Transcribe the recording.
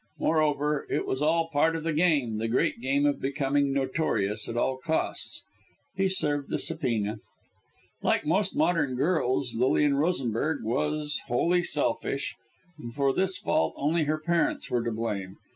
Moreover, it was all part of the game the great game of becoming notorious at all costs. He served the subpoena. Like most modern girls, Lilian Rosenberg was wholly selfish; and for this fault only her parents were to blame.